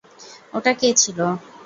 ওটা কে ছিল?